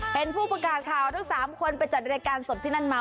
เป็นผู้ประกาศข่าวทั้ง๓คนไปจัดรายการสดที่นั่นมา